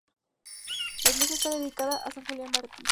La iglesia está dedicada a san Julián Mártir.